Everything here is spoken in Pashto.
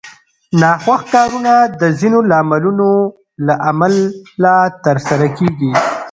ناخوښ کارونه د ځینو لاملونو له امله ترسره کېږي.